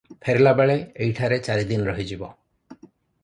ଫେରିବାବେଳେ ଏହିଠାରେ ଚାରିଦିନ ରହିଯିବ ।